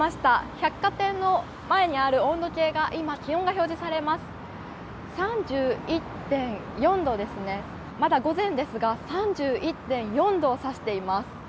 百貨店の前にある温度計が今、気温が表示されます、３１．４度ですねまだ午前ですが、３１．４度を指しています。